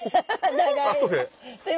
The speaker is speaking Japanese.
長い。